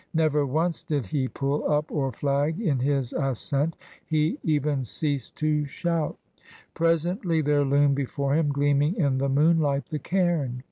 Never once did he pull up or flag in his ascent. He even ceased to shout. Presently there loomed before him, gleaming in the moonlight, the cairn.